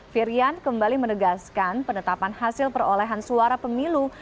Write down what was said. firian kembali menegaskan penetapan hasil perolehan suara pemilu